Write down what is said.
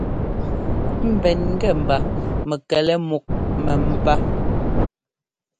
Ḿbɛn ŋ́gɛ mba mɛkɛlɛ múk mɛ́mbá.